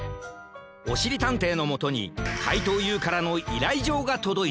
おしりたんていのもとにかいとうＵからのいらいじょうがとどいた。